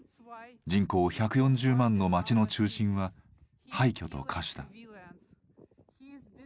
人口１４０万の街の中心は廃虚と化した。